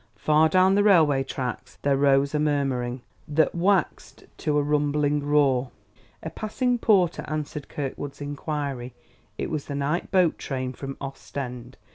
Far down the railway tracks there rose a murmuring, that waxed to a rumbling roar. A passing porter answered Kirkwood's inquiry: it was the night boat train from Ostend.